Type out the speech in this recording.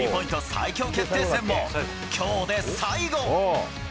最強決定戦も、きょうで最後。